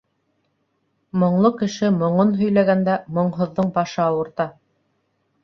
Моңло кеше моңон һөйләгәндә, моңһоҙҙоң башы ауырта.